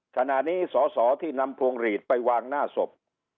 ขณะนี้สอสอที่นำพวงหลีดไปวางหน้าศพ